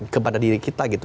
kepada diri kita gitu